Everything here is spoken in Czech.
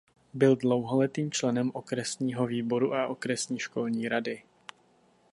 Byl dlouholetým členem okresního výboru a okresní školní rady.